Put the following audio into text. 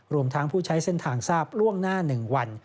รวมทั้งผู้ใช้เส้นทางทราบล่วงหน้า๑วัน